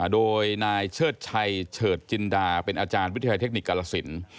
โดยนายเชิดชัยเฉิดจินดาเป็นอาจารย์วิทยาลัยเทคนิคกาลสิน